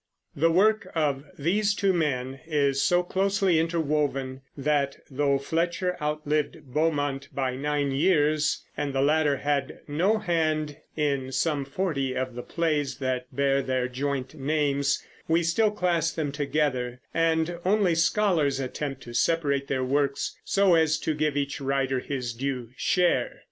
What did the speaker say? The work of these two men is so closely interwoven that, though Fletcher outlived Beaumont by nine years and the latter had no hand in some forty of the plays that bear their joint names, we still class them together, and only scholars attempt to separate their works so as to give each writer his due share.